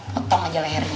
potong aja lehernya